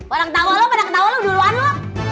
orang ketawa lu pada ketawa lu duluan lu